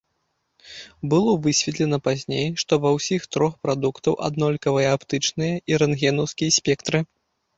Было высветлена пазней, што ва ўсіх трох прадуктаў аднолькавыя аптычныя і рэнтгенаўскія спектры.